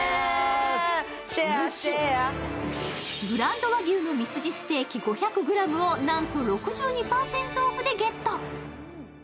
ブランド和牛のミスジステーキ５００ｇを、なんと６２％オフでゲット。